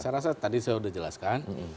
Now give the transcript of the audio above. saya rasa tadi saya sudah jelaskan